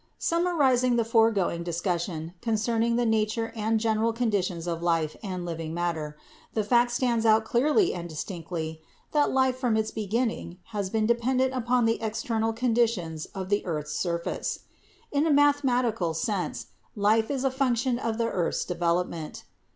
Summarizing the foregoing discussion concerning the nature and general conditions of life and living matter, the fact stands out clearly and distinctly that life from its beginning has been dependent upon the external condi tions of the earth's surface. In a mathematical sense, life is a function of the earth's development.